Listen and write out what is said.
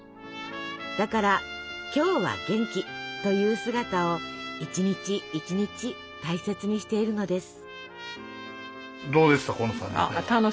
だから「今日は元気」という姿を一日一日大切にしているのです。